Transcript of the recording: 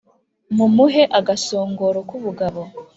mumuhe agasongoro k’ubugabo